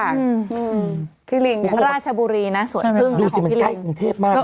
แบบราชบุรีนะส่วนตึงของพี่ริงดูสิมันใกล้กรุงเทพมากเลยนะ